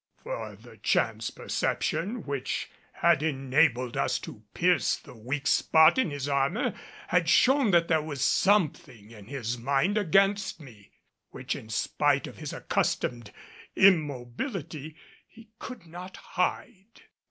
For the chance perception which had enabled us to pierce the weak spot in his armor had shown that there was something in his mind against me, which in spite of his accustomed immobility he could not hide.